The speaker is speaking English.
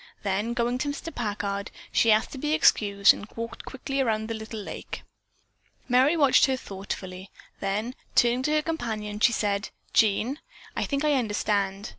Then going to Mr. Packard, she asked to be excused and walked quickly around the little lake. Merry watched her thoughtfully, then turning to her companion, she said, "Jean, I think I understand.